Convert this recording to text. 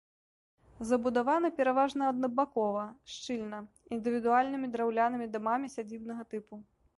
Забудавана пераважна аднабакова, шчыльна, індывідуальнымі драўлянымі дамамі сядзібнага тыпу.